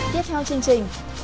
tiếp theo chương trình